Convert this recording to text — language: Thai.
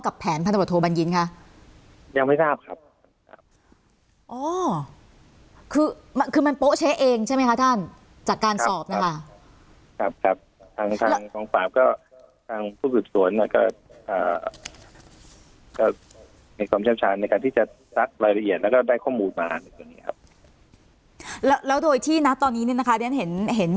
กับแผนธนโปรโท